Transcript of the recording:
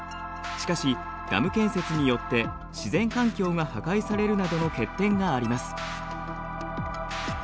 しかしダム建設によって自然環境が破壊されるなどの欠点があります。